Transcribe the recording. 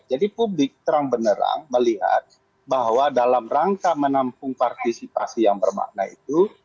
jadi publik terang benerang melihat bahwa dalam rangka menampung partisipasi yang bermakna itu